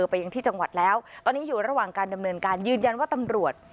ไปยังที่จังหวัดแล้วตอนนี้อยู่ระหว่างการดำเนินการยืนยันว่าตำรวจ